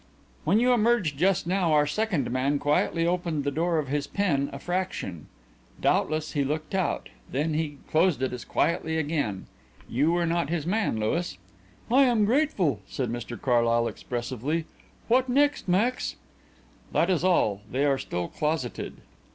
"When you emerged just now our second man quietly opened the door of his pen a fraction. Doubtless he looked out. Then he closed it as quietly again. You were not his man, Louis." "I am grateful," said Mr Carlyle expressively. "What next, Louis?" "That is all; they are still closeted."